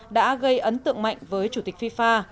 đã gây ấn tượng mạnh với chủ tịch fifa